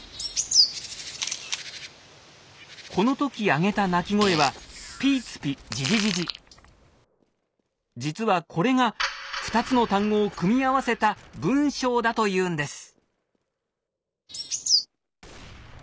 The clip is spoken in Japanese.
この時上げた鳴き声は実はこれが２つの単語を組み合わせた文章だというんです。